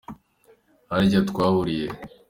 Harya twahuriye he?